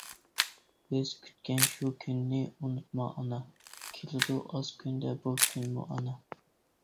بىز كۈتكەن شۇ كۈننى ئۇنتۇما ئانا، كېلىدۇ ئاز كۈندە بۇ كۈنمۇ ئانا.